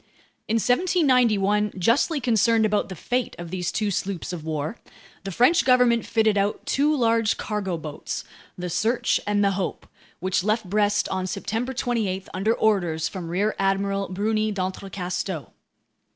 In 1791, justly concerned about the fate of these two sloops of war, the French government fitted out two large cargo boats, the Search and the Hope, which left Brest on September 28 under orders from Rear Admiral Bruni d'Entrecasteaux.